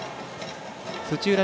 土浦